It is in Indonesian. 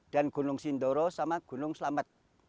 dan gunung sindoro sama gunung selamat